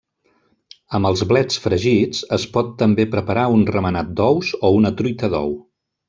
Amb els blets fregits es pot també preparar un remenat d'ous o una truita d'ou.